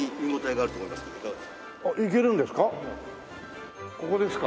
あっ行けるんですか？